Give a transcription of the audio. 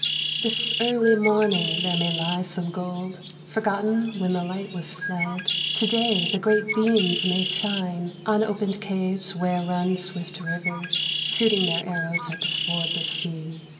This early morning there may lie some gold Forgotten when the light was fled ; To day the great beams may shine On opened caves where run swift rivers, Shooting their arrows at the swordless sea.